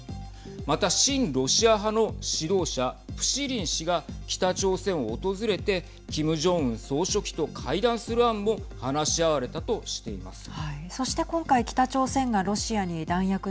また、親ロシア派の指導者プシリン氏が北朝鮮を訪れてキム・ジョンウン総書記と会談する案も話し合われたとしています。